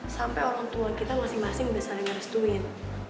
sampai orang tua kita masing masing udah saling ngerestuin